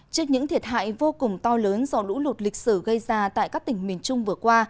trước những thiệt hại vô cùng to lớn do lũ lụt lịch sử gây ra tại các tỉnh miền trung vừa qua